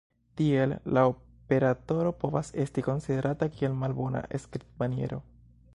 Tiel, la operatoro povas esti konsiderata kiel malbona skribmaniero.